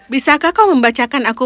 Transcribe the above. bisakah kau membacakan aku